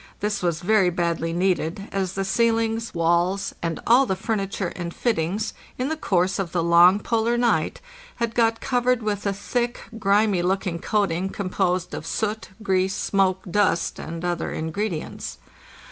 This was very badly needed, as the ceilings, walls, and all the furniture and fittings, in the course of the long polar night, had got covered with a thick, grimy looking coating composed of soot, grease, smoke, dust, and other ingredients.